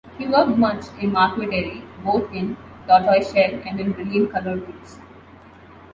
He worked much in marqueterie, both in tortoiseshell and in brilliant colored woods.